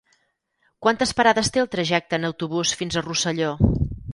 Quantes parades té el trajecte en autobús fins a Rosselló?